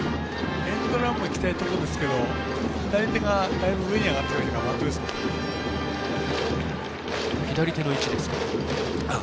エンドランもいきたいところですけど左手がだいぶ上がっているので。